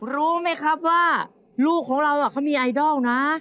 รู้ไหมครับว่าลูกของเราเขามีไอดอลนะ